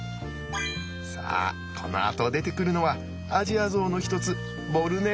さあこのあと出てくるのはアジアゾウの一つボルネオゾウです。